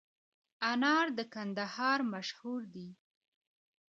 انار د کندهار مشهور دي